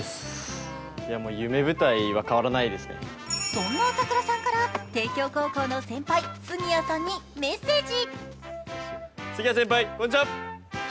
そんな朝倉さんから帝京高校の先輩、杉谷さんにメッセージ。